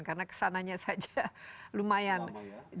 karena kesananya saja lumayan jauh